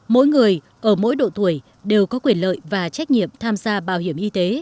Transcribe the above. mỗi người ở mỗi độ tuổi đều có quyền lợi và trách nhiệm tham gia bảo hiểm y tế